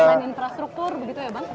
infrastruktur begitu ya bang